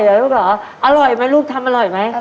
อร่อยครับลูกหรอกอร่อยไหมลูกทำอร่อยไหม